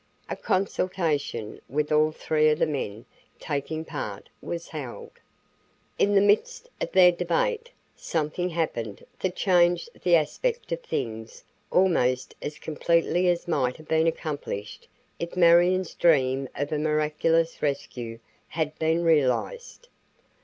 A consultation, with all three of the men taking part, was held. In the midst of their debate, something happened that changed the aspect of things almost as completely as might have been accomplished if Marion's dream of a miraculous rescue had been realized.